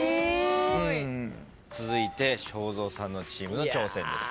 続いて正蔵さんのチームの挑戦です。